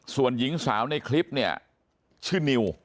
ส่วนหญิงสาวในคลิปเนี่ยชื่อนิว